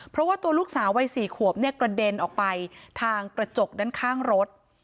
เพราะว่าตัวลูกสาววัย๔ขวบเนี่ยกระเด็นออกไปทางกระจกด้านข้างรถ